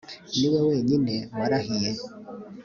ni we wenyine warahiye